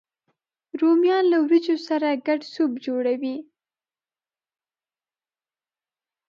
رومیان له ورېجو سره ګډ سوپ جوړوي